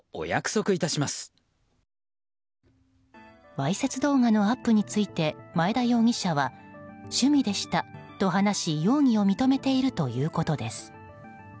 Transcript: わいせつ動画のアップについて前田容疑者は趣味でしたと話し容疑を認めているということです。